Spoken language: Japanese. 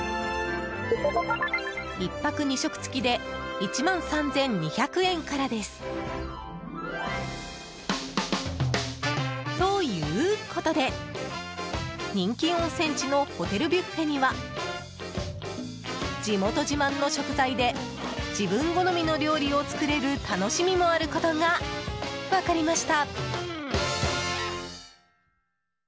１泊２食付きで１万３２００円からです。ということで、人気温泉地のホテルビュッフェには地元自慢の食材で自分好みの料理を作れる楽しみもあることが分かりました。